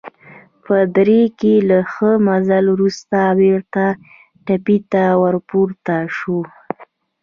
په دره کې له ښه مزل وروسته بېرته تپې ته ورپورته شوو.